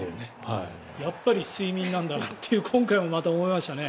やっぱり睡眠なんだなと今回もまた思いましたね。